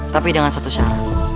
tapi dengan satu syarat